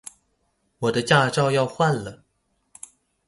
我的駕照要換了